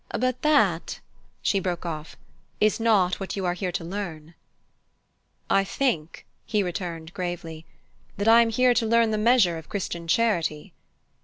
But that," she broke off, "is not what you are here to learn." "I think," he returned gravely, "that I am here to learn the measure of Christian charity."